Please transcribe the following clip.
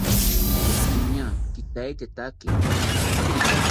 Iñaa kitetaki